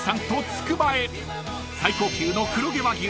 ［最高級の黒毛和牛